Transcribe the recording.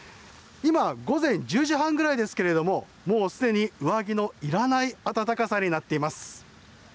今、午前１０時半ぐらいですけれどももうすでに上着のいらない暖かさになっています。